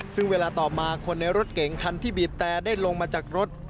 ซึ่งเวลาต่อมาคนในรถเก๋งคันที่บีบแต่ได้ลงมาจากรถ